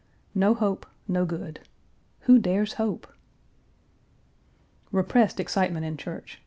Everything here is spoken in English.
No hope, no good. Who dares hope? Repressed excitement in church.